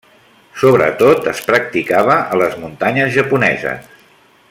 Sobretot es practicava a les muntanyes japoneses.